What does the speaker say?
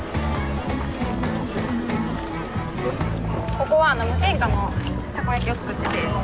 ここは無添加のたこ焼きを作ってて。